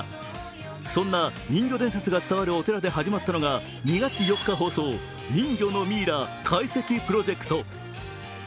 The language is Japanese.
そんな人魚伝説が伝わるお寺で始まったのが２月４日放送、人魚のミイラ解析プロジェクト。